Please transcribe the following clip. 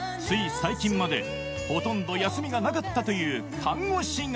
最近までほとんど休みがなかったという看護師が